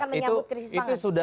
kita akan menyangkut krisis pangas